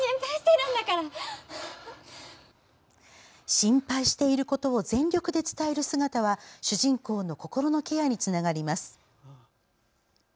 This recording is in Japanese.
心配していることを全力で伝える姿は主人公の心のケアにつながります。